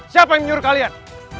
siapa yang menyuruh kalian